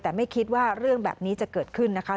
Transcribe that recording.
แต่ไม่คิดว่าเรื่องแบบนี้จะเกิดขึ้นนะคะ